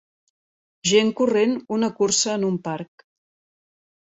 Gent corrent una cursa en un parc.